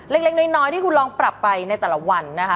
เล็กน้อยที่คุณลองปรับไปในแต่ละวันนะคะ